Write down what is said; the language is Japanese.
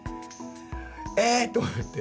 えっと思って。